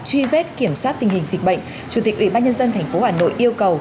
truy vết kiểm soát tình hình dịch bệnh chủ tịch ủy ban nhân dân tp hà nội yêu cầu